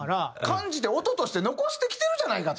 感じて音として残してきてるじゃないかと。